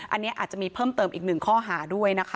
อันนี้อาจจะมีเพิ่มเติมอีกหนึ่งข้อหาด้วยนะคะ